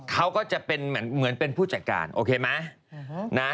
เขาก็จะเป็นเหมือนเป็นผู้จัดการโอเคไหมนะ